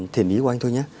thiển ý của anh thôi nhé